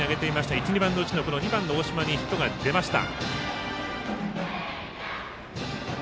１、２番のうちのこの大島にヒットが出ました。